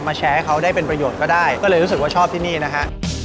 แชร์ให้เขาได้เป็นประโยชน์ก็ได้ก็เลยรู้สึกว่าชอบที่นี่นะฮะ